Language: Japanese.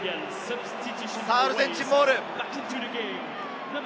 アルゼンチンボール。